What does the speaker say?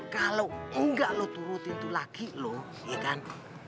kalau enggak lo turutin tuh laki lo ya kan